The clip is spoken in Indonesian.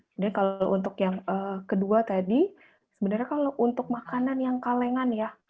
jadi kalau untuk yang kedua tadi sebenarnya kalau untuk makanan yang kalengan ya